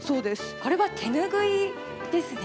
これは手拭いですね。